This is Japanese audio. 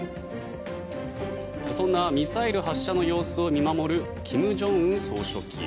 そんなミサイル発射の様子を見守る金正恩総書記。